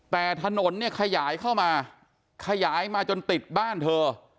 แต่ถนนเนี่ยขยายเข้ามาขยายมาจนติดบ้านเธอ